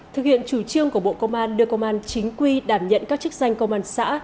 thực hiện chủ trương của bộ công an đưa công an chính quy đảm nhận các chức danh công an xã